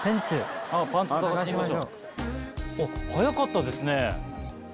早かったですね。